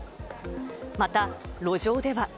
また路上では。